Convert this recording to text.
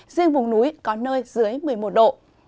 riêng vùng núi có nơi dưới một mươi một độ